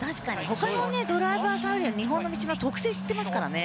ほかのドライバーさんよりも日本の道の特性を知っていますからね。